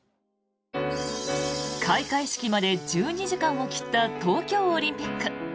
開会式まで１２時間を切った東京オリンピック。